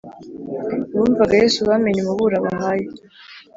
abumvaga yesu bamenye umuburo abahaye